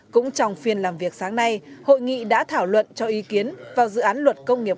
cũng trong phiên làm việc sáng nay hội nghị đã thảo luận cho ý kiến vào dự án luật công nghiệp